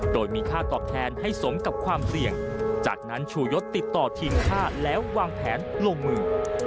โดยมีค่าตอบแทนให้สมกับความเสี่ยงจากนั้นชูยศติดต่อทีมค่าแล้ววางแผนลงมือ